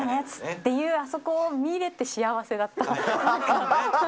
っていうあのシーンを見れて幸せだった。